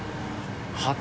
旗？